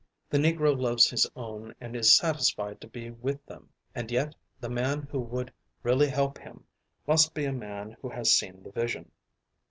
The Negro loves his own and is satisfied to be with them, and yet, the man who would really help him must be a man who has seen the vision.